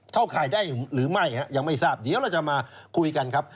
เข้าข่ายได้หรือไม่ยังไม่ทราบเดี๋ยวเราจะมาคุยกันครับ